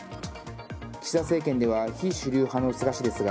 岸田政権では非主流派の菅氏ですが。